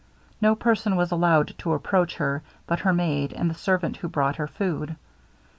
No person was allowed to approach her but her maid, and the servant who brought her food.